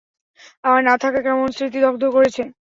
আমার না থাকা কেমন স্মৃতি দগ্ধ করেছে?